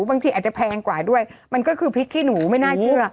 บางทีอาจจะแพงกว่าด้วยมันก็คือพริกขี้หนูไม่น่าเชื่อ